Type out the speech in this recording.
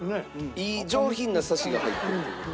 いい上品なサシが入ってるという事で。